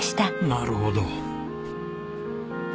なるほど。